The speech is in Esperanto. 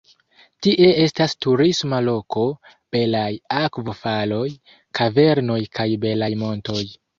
Tie estas turisma loko, belaj akvo-faloj, kavernoj kaj belaj montoj.